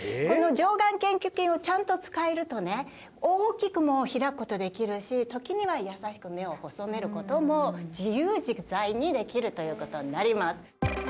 この上眼瞼挙筋をちゃんと使えるとね大きくも開くことできるし時には優しく目を細めることも自由自在にできることになります